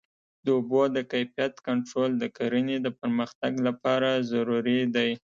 د اوبو د کیفیت کنټرول د کرنې د پرمختګ لپاره ضروري دی.